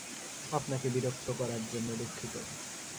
আপনাকে বিরক্ত করার জন্য দুঃখিত।